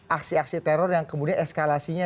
aksi aksi teror yang kemudian eskalasinya